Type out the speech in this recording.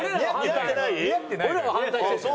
俺らは反対してるのよ。